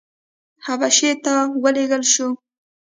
حبشې ته ولېږل شو.